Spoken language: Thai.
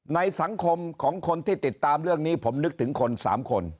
ในสังคมของคนที่ติดตามเรื่องนี้ผมนึกถึงคน๓คน